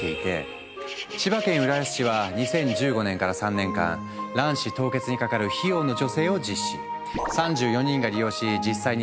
千葉県浦安市は２０１５年から３年間卵子凍結にかかる費用の助成を実施。